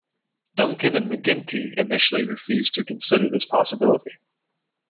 Duncan and McGuinty initially refused to consider this possibility.